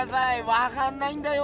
わかんないんだよ